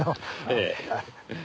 ええ。